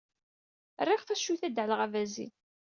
Rriɣ taccuyt ad ɛelleɣ abazin.